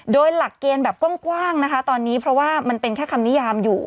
โดยหลักเกณฑ์แบบกว้างนะคะตอนนี้เพราะว่ามันเป็นแค่คำนิยามอยู่